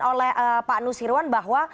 oleh pak nusirwan bahwa